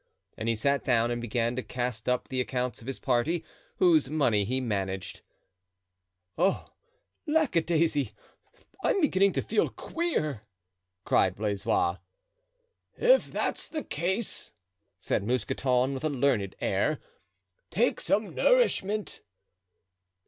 And he sat down and began to cast up the accounts of his party, whose money he managed. "Oh, lackadaisy! I'm beginning to feel queer!" cried Blaisois. "If that's the case," said Mousqueton, with a learned air, "take some nourishment."